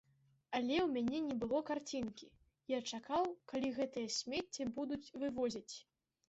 Але ў мяне не было карцінкі, я чакаў, калі гэтае смецце будуць вывозіць.